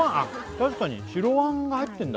確かに白餡が入ってんだ